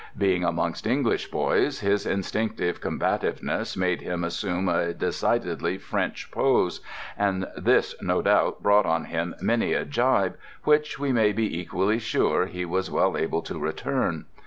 Being amongst English boys, his instinctive combativeness made him assume a decidedly French pose, and this no doubt brought on him many a gibe, which, we may be equally sure, he was well able to return.